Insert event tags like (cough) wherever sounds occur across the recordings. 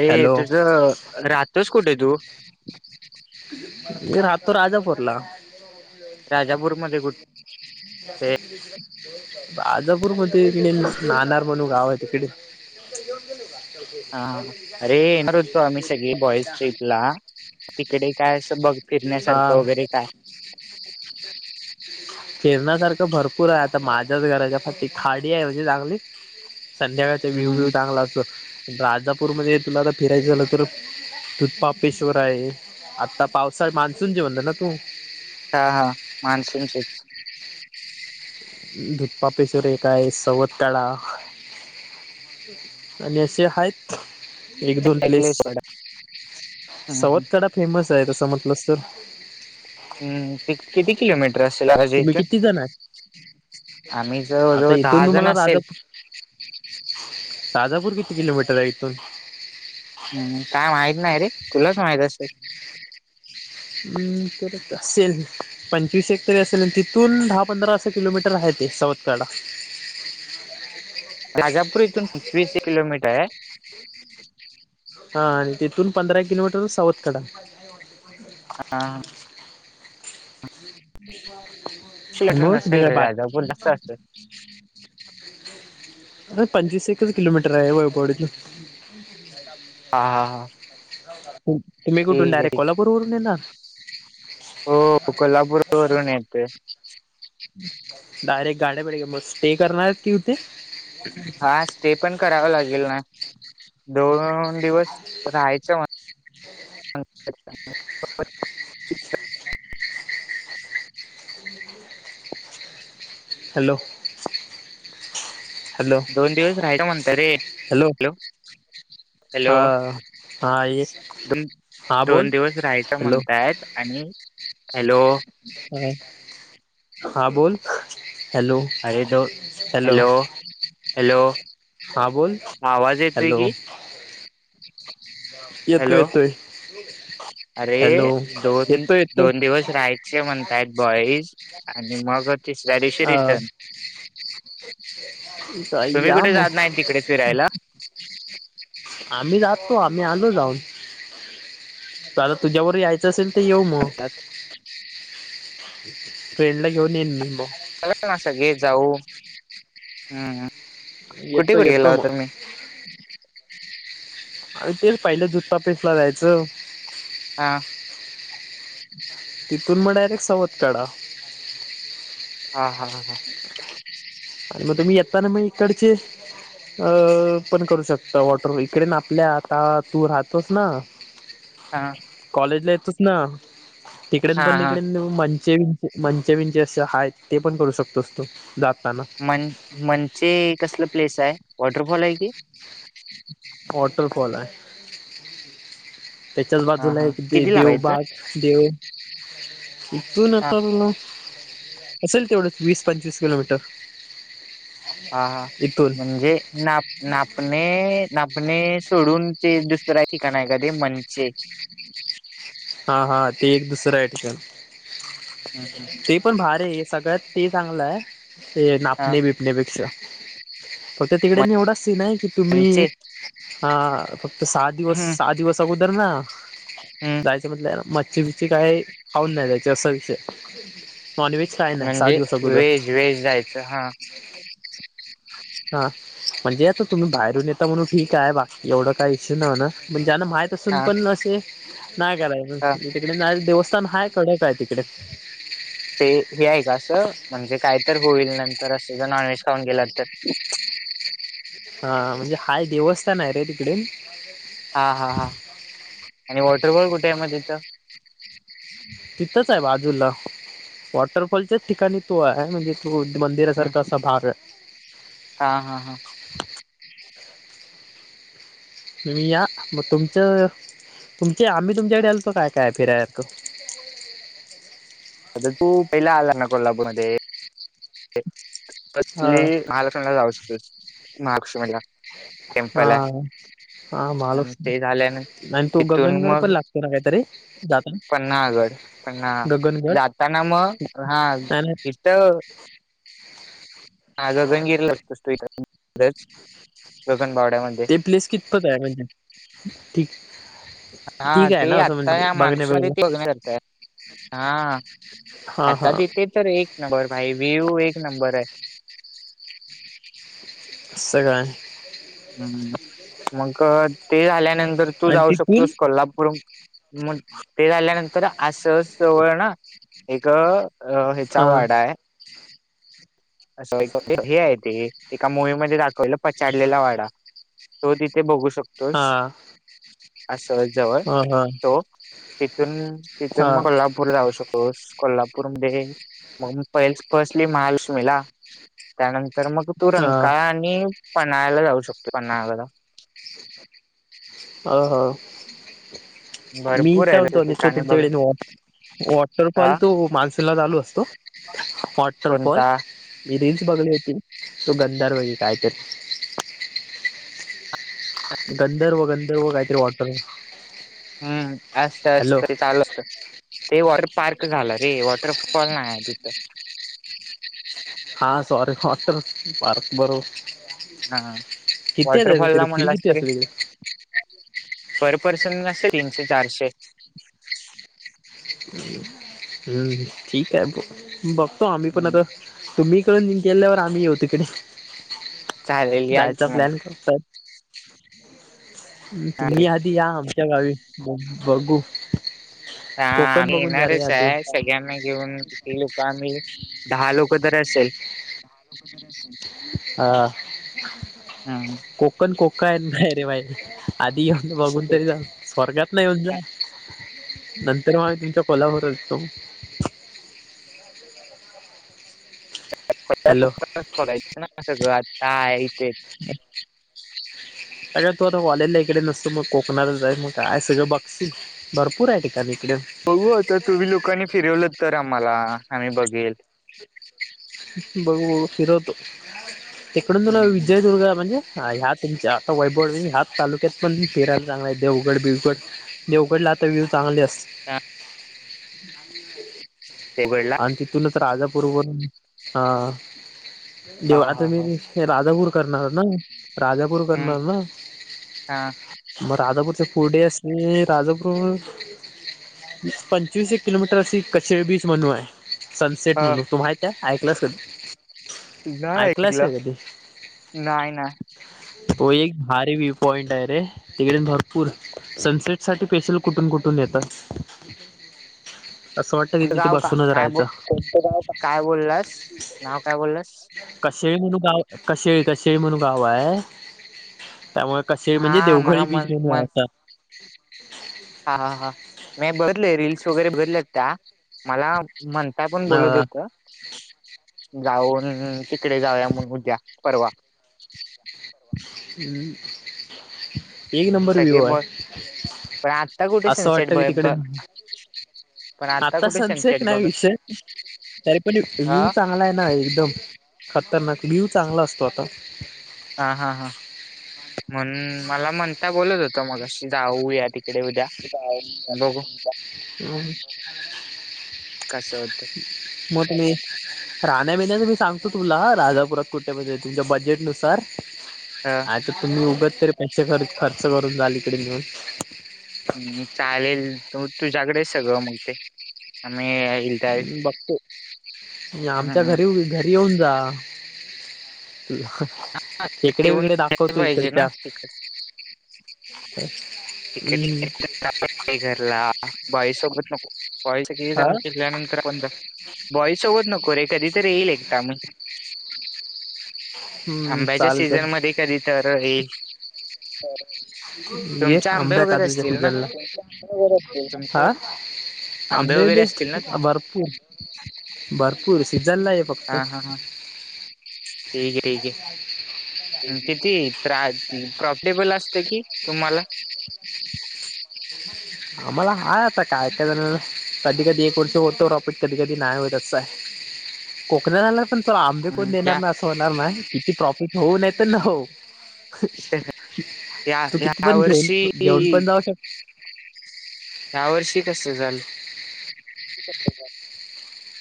अरे हॅलो तुझं राहतच कुठे तु. राहतो राजापुरला. राजापुरमध्ये कुठं? राजापूर मध्ये इकडे नाणार म्हणून गाव आहे तिकडे. येऊन गेले का? हा अरे येणार होतो आम्ही सगळे बॉइज ट्रीपला तिकडे काय असं बघ हा फिरण्यासारखं वगैरे काय. फिरण्यासारखं भरपूर आहे आता माझ्याच घराच्या खाडी आहे म्हणजी चांगली. संध्याकाळचा व्यूव व्यूव हम्म चांगला असतो राजापूरमध्ये तुला तर फिरायचं झालं तर. तूधपापेश्वर आहे आता पावसाळ मान्सून जेवण ना तू. (unintelligible) हा हा मान्सून चीच. (inaudible) दुधपापेश्वर काय सवथाळा. आणि असे आहेत एक दोन प्लेस ऐकलेसड सवत कडा फेमस आहे तसं म्हटलं तर. हम् किती किलोमीटर? ज तुम्ही इथून किती जण आहे आम्ही जवळ जवळ दहा जण असेल. ताजापूर किती किलोमीटर आहे इथून. हम् काय माहित नाही रे तुलाच माहित असेल. हम् करत असेल. पंचवीस एक तरी असेल आणि तिथून दहा पंधरा असं किलोमीटर आहे ते साऊतकाडा. राजापूर इथून पंचवीस किलोमीटर आहे. (inaudible) हा आणि तिथून पंधरा किलोमीटर सावत कडा. हो. (inaudible) आता किलोमीटर बत नसेल बघळ रे बा. (inaudible) राजापूर जास्त असेल अरे पंचवीस एकच किलोमीटर आहे वपवडीत. हा. हा. हा. तुम्ही कुठून ठीक आहे डायरेक्ट ठीक आहे. कोल्हापूर वरून येणार? हो. कोल्हापूर वरून येतोय. डायरेक्ट गाड्याबिड्या घेऊन मग स्टे करणारयेत का इथे? हां. स्टे पण करावा लागेल ना? दोन दिवस राहायच म्ह- हॅलो. हॅलो दोन दिवस राहायच म्हणताय रे. हॅलो. हॅलो. हा हा ये हा बोल दोन दिवस राहायच हॅलो म्हणतायत. आणि, हॅलो. हा. हा. बोल. हॅलो अरे तो, हॅलो. हॅलो. हा बोल आवाज येतोय हॅलो की? येतोय. हॅलो येतोय. अरे, हॅलो दोन- येतोय दोन दिवस राहायचे म्हणतायत बॉईज. आणि मग तिसऱ्या दिवशी रिटर्न. हं. चा तुम्ही या कुठे मग. जात नाही तिकडे फिरायला आम्ही राहतो. आम्ही आलो जाऊन. आता तुझ्याबरोबर यायचं असेल- तर येऊ मग. फ्रेंडला घेऊन येईन मी मग. ला ना सगळे जाऊ. हम्म. कुठे येतो कुठे गेला येतो होता मग तुम्ही? अर तेच पाहिलं जुत्ता पेसला जायचं. हां. तिथून मग डायरेक्ट सवत काढा. हा. हा. हा. आणि मग तुम्ही येताना मग इकडचे- अ -पण करू शकता वॉटर इकडे आपल्या आता तू राहतोस ना? हा. कॉलेजला येतोस ना? तिकडेन हा पण हा इिकडे म- (unintelligible) असे आहेत ते पण करू शकतोस तू जाताना. मनचे कसल प्लेस आहे? वॉटरफॉल आहे की? वॉटर फॉलाय. त्याच्याच हा बाजूला हा एक दे किती लांब आहे इथून देवबाग. देव इत हा (unintelligible) असेल तेवढं वीस पंचवीस किलोमीटर. हा. हा. इथून म्हणजे मॅप - नापणे नापणे सोडून ते दुसर ठिकाण आहे का ते? मंचे. हा हा. ते एक दुसरं आहे ठिकाण. हम. हम. ते पण भारी ए. सगळ्यात ते चांगलं आहे. ते हा नापणे बि- -पण्यापेक्षा. फक्त तिकडे एवढाच सीन आहे की तुम्ही मनचे आ - फक्त सहा दिवस, हम्म सहा दिवस अगोदर ना? हम्म जायचं म्हटलं मच्छी बिच्छी काही खाऊन नाही जायच असा विषय. नॉनव्हेज खाय- म्हणजे व्हेज व्हेज जायचं. हां. हां. म्हणजे आता तुम्ही बाहेरून येता म्हणून ठीक आहे बा. एवढं काय इश्यू नाही होणार. पण ज्यांना माहित- असून हा पण असे. नाही कराय हा तिकडे देवस्थान हाय कडक हाय तिकडे. ते हे आहे का असं? म्हणजे काय तर होईल नंतर असं. जर नॉनव्हेज खाऊन गेलात तर. (inaudible) हा, म्हणजे हाय देवस्थान आहे रे तिकडे. हा, हा, हा आणि वॉटरबॉल कुठ आहे म तिथं? तिथंच आहे बाजूला, वॉटरफॉलच्याच ठिकाणी तो आहे म्हणजे मंदिरा हम्म. सारख असं भाग. हा, हा, हा. तुम्ही या, म तुमचं तुमचे आम्ही तुमच्याकडे आलतो काय- काय फिराय सारखं. (inaudible) आता तू पहिला आला ना कोल्हापूरमध्ये. (inaudible) हा कसली, महालक्ष्मीला जाऊ शकतोस महालक्ष्मीला. टेम्पल आहे हा. हा आणि महालक्ष्मी, ते झाल्यानंतर आणि तो तिथून गगनगड पण मग लागतो ना काहीतरी जा पन्हाळगड पन्हा गगगनगड जाताना मग हा नाही, नाही. (inaudible) आ, गगनगिरी लागतो इथं. इथंच गगनबावड्यामध्ये ते प्लेस कितपत हाय म्हणजे, ठीक. हा ठीक हाय ते ना असं आता म्हणजे, या माणसामध्ये बघणं-बिघणं. ते बघण्या करताय त्यात तिथे तर एक नंबर भाई, व्हियु एक नंबर हाय. सगळ हाय. हम्म, मग ते झाल्यानंतर तू आणि जाऊ तिथून शकतोस कोल्हापूर मग ते झाल्यानंतर अस जवळ ना, एक अ, ह्याचा हां, वाडा हाय. असं एक हे आहे ते, एका मूवी मध्ये दाखवलेलं पछाडलेला वाडा. तो तिथे बघू शकतोस. हां. असं जवळ, हां, हां. तो तिथून, तिथून मग हां, कोल्हा लपूर जाऊ शकतोस, कोल्हापूर मध्ये मग पहिले फस्टली महालक्ष्मीला. त्यानंतर मग तू हां. रंकाळ आणि पन्हाळ्याला जाऊ शकतो पन्हाळ्याला. अ, ह मी भरपूर काय आहे म्हणतो आणि तो ठिकाणी बघ तुमच्याकडे वॉ वॉटरफॉल हा तो मानसूनला चालू असतो, वॉटरपॉल कोणता मी रील्स बघली होती, तो गंधार वैगेरे कायतर. गंधर्व, गंधर्व काहीतरी वाटर हम्म, असत -असत तरी चालत. ते वॉटर पार्क झालं रे, वॉटरफॉल नाही आहे तिथं. (inaudible) हा, सॉरी वॉटर पार्क बरोबर. हा किती आहे वॉटरफॉल तरी, ला फी म्हणलास किती तरी असल इकडं? पर पर्सन असल तीनशे, चारशे. हम्म ठीक हाय, बघतो आम्ही पण हम्म आता तुम्हीइ इकडून निं गेल्यावर आम्ही येऊ तिकडे. चालेल या जायचा की मग प्लॅन करतात. तुम्ही चालेल. आधी या आमच्या गावी, बघू. हा, कोकण आम्ही बघून जा रे येणारच आधी हाय, सगळ्यांना घेऊन किती लोक आम्ही, दहा लोक तर असेल. (unintelligible) हा हा कोकण कोकण नाही रे भाई आधी येऊन बघून तर हम्म जा स्वर्गात नाही जा नंतर मग तुमच्या कोलावरचतो हॅलो (unintelligible) आता आहे इथे अग तू आता वॉलेला इकडे नसतो मग कोकणातच जा आहे मग काय सगळं बघस भरपूर आहे ठिकान इकडं बघू आता तुम्ही लोकांनी फिरवल तर आम्हाला आम्ही बघेल बघू फिरवतो इकडून तुला हम्म विजयदुर्ग म्हणजे हा ह्या तुमच्या आता वैभववाडी ह्या तालुक्यात पण फिरायला चांगला आहे देवगड बिवगड देवगडला आता विव्ह चांगले असत हा आ ते उघडला आणि तिथूनच राजापूरवरून हा हा देव आता हा मी हा हे राजापूर करणार ना राजापूर हम्म करणार ना हा मग राजापूरचे पुढ असणे राजापूर विस पंचवीस एक किलो मीटर असी (inaudible) बीच म्हणून हाय सनसेट ह म्हणून तुम्हा माहीती हाय ऐकलंस कधी नाही ऐकलास ऐकलं काय कधी नाही ना तो एक भारी व्हिव पॉइंट आहे रे तिकडून भरपूर सनसेट साठी पेशल कुठून कुठून येत असं वाटत कि कोणतं तिथे गाव बस का काय ब राहायचं काय बोललास नाव काय बोललास (inaudible) कशेळी म्हणून गाव कशेळी कशेळी म्हणून गाव हाय त्यामुळ कसेळी म्हणजे हा देवघळी मला बीच मन (inaudible) मन आता हा हा मी बघितलय रीलल्स वगैरे बघितल्यात त्या मला म्हणता पण बोलत आता होत (unintelligible) जाऊन तिकडे जाऊया म्हणून उद्या परवा हम् एक नंबर सगळे व्हिव हाय ब पण आता कुठे असं सनसेट वाटत ब की ब तिकडे पण आता कुठे सनसेट नाही बघ विषय तरी पण हा व्ह्यू चांगला आहे ना एकदम खतरनाक व्ह्यू चांगला असतो आता हा हा हां म्हनून मला म्हणता बोलत होत मगाशी जाऊ या तिक (inaudible) हम कशे होते मोठ मी राहण्या बिन्याच मी सांगतो तुला राजापुरात कुठे म्हणजे तुमच्या बजेट नुसार ह आता तुम्ही उगच तरी पैसे खर्च खर्च करून जाल इकडे मिळून हम् चालेल तर म तुझ्याकडे सगळं मग ते आणि बघतो आमच्या हम्म घरी उभ घरी येऊन जा अं हं इकडे येऊन विकडे दाखवतो पाहिजे ना इकडच्या तिकडे तिकडे हम्म इकडे घरला बाईसोबत नको. बॉईस किती हा जाऊन शिकल्यानंतर आपण जा बॉईस सोबत नको रे कधी तरी येईल एकटा मी. हम्म, आंब्याच्या सीझन चालंत. मध्ये कधी तर हे होर ये तुमचे आंबे आंब्या वगैरे काजूच्या असतील ना सिझनला, हा तुमच्या आंबे वगैरे दे असतील ना तुमचे भरपूर-भरपूर सिझनला ये हा हा हा, ठीक ये ठीक ये. हं, किती (unintelligible) प्रॉफिटेबल असते कि तुम्हाला? आम्हाला हा आता काय काय कधी कधी एक वर्ष होतं, प्रॉफिट कधी, कधी नाही हो असं. कोकणाला पण तला आंबे कोण हम्म. देणार या ना असं होणार ना किती प्रॉफिट होऊ नय तर न हो हं, या तू किती ह्या पण घेऊन, वर्षी घेऊन पण जाऊ शक ह्या वर्षी कसं झालं? (inaudible)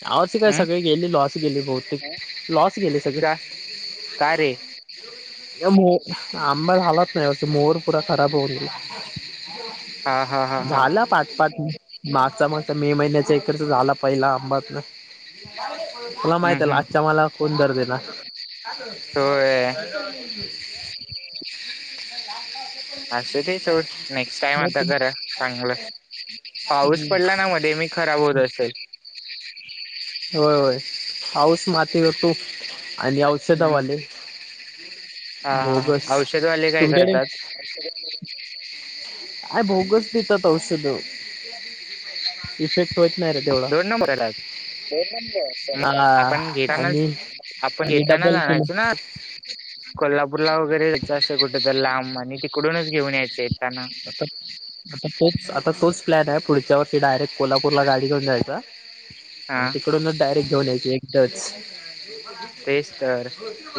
आवच काय हम् सगळे गेले लॉस गेले बहुतेक, लॉस गेले सगळे. का का रे? (unintelligible) अंबा झाला तर तो मोड पुरा खराब होऊन गेला. हा हा हा हा झाला पाच पाच मागचा, मागचा मे महिन्याचा इकडचा झाला पहिला आंबात ना. तुला हम्म माहितेल हम्म आजच्या मालाला कोण दर देणार. होय (inaudible) असु दे सोड नेक्स्ट टाइम आता देणार करा चांगलं. पाऊस पडला ना मध्ये मी खराब होत असेल. होय, होय पाऊस माती (inaudible) आणि आऊ षधा हम्म. वाले हा हा बोगस, हा औषधवाले काय तुमच्याकडे? करतात आय भोगच पीतात औषध. इफेक्ट व्हय दोन नंबर (inaudible) मग हा आपण घेताना, आणि आपण आणि घेतानाच डबल आणायचं किंमत ना. कोल्हापूरला वगैरेच असं कुठे तर लांब आणि तिकडूनच घेऊन यायचे येताना. आता? आता तोच, आता तोच प्लॅन आहे पुढच्या वर्षी डायरेक्ट कोल्हापूरला गाडी घेऊन जायचा. आणि हा तिकडूनच डायरेक्ट घेऊन यायचं एकटच. तेच तर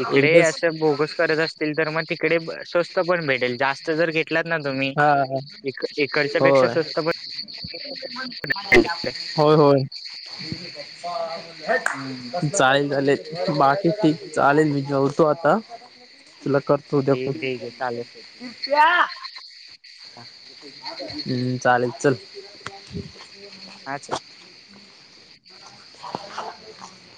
इकडे असं बोगस करत असतील तर मग तिकडे स्वस्त पण भेटेल जास् त घेतलात ना तुम्ही, हा इकडच्या पेक्षा होय स्वस्त प (inaudible) होय, होय हम्म जाईल झाले. बाकी ठीक चालेल मी जेवतो आता, तुला कर ठीक ठीक आहे चालेल (unintelligible) हा हम्म, चालेल चल. आचा (inaudible)